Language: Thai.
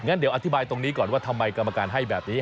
เดี๋ยวอธิบายตรงนี้ก่อนว่าทำไมกรรมการให้แบบนี้